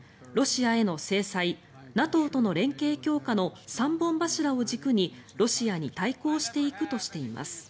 ロシアへの制裁ＮＡＴＯとの連携強化の三本柱を軸にロシアに対抗していくとしています。